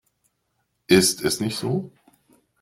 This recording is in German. Ist es nicht so?